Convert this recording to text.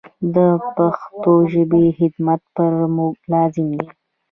د پښتو ژبي خدمت پر موږ لازم دی.